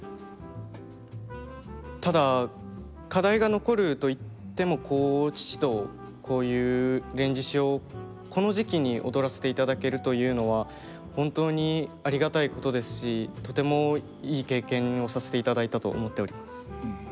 ただ課題が残ると言っても父とこういう「連獅子」をこの時期に踊らせていただけるというのは本当にありがたいことですしとてもいい経験をさせていただいたと思っております。